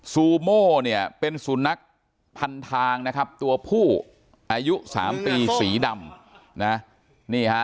ซูโม่เป็นสุนัขพันทางตัวผู้อายุ๓ปีสีดำ